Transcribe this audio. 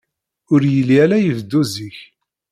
Ur yelli ara ibeddu zik.